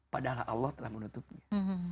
padahal allah telah menutupnya